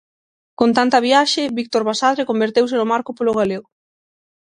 Con tanta viaxe, Víctor Basadre converteuse no Marco Polo galego.